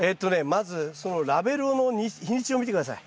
まずそのラベルの日にちを見て下さい。